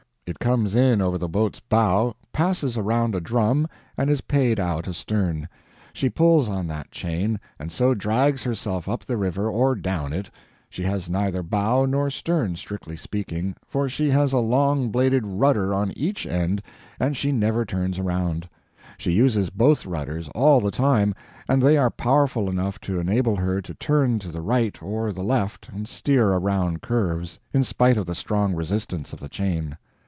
It comes in over the boat's bow, passes around a drum, and is payed out astern. She pulls on that chain, and so drags herself up the river or down it. She has neither bow or stern, strictly speaking, for she has a long bladed rudder on each end and she never turns around. She uses both rudders all the time, and they are powerful enough to enable her to turn to the right or the left and steer around curves, in spite of the strong resistance of the chain.